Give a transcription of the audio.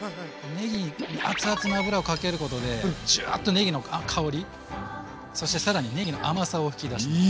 ねぎにアツアツの油をかけることでジュワーッとねぎの香りそして更にねぎの甘さを引き出します。